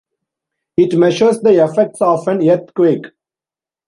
It measures the "effects" of an earthquake.